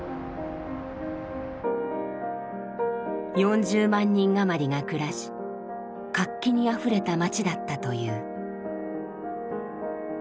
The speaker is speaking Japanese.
４０万人余りが暮らし活気にあふれた街だったという。